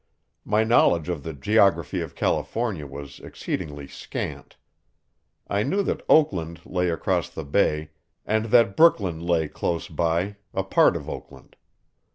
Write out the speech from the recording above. My knowledge of the geography of California was exceedingly scant. I knew that Oakland lay across the bay and that Brooklyn lay close by, a part of Oakland.